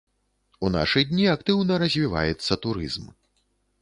У нашы дні актыўна развіваецца турызм.